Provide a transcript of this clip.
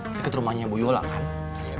deket rumahnya bu yola kan